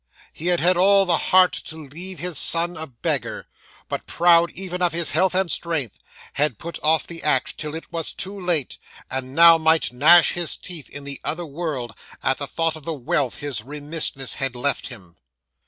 He had had all the heart to leave his son a beggar, but proud even of his health and strength, had put off the act till it was too late, and now might gnash his teeth in the other world, at the thought of the wealth his remissness had left him.